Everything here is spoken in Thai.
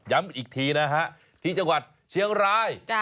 อีกทีนะฮะที่จังหวัดเชียงราย